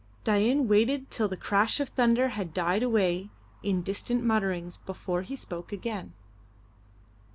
Dain waited till the crash of thunder had died away in distant mutterings before he spoke again.